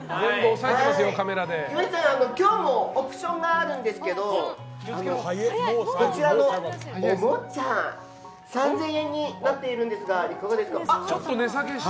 今日もオプションがあるんですけどこちらのおもちゃ３０００円になっているんですがいかがですか。